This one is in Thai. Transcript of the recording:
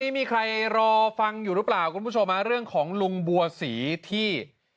นี่มีใครรอฟังอยู่หรือเปล่าคุณผู้ชมเรื่องของลุงบัวศรีที่